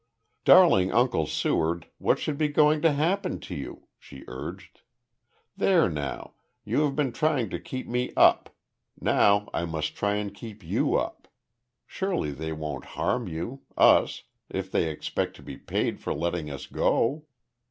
"Darling Uncle Seward, what should be going to happen to you?" she urged. "There now, you have been trying to keep me up; now I must try and keep you up. Surely they won't harm you us if they expect to be paid for letting us go?"